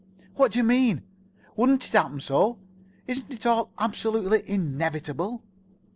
"What do you mean? Wouldn't it happen so? Isn't it all absolutely inevitable?"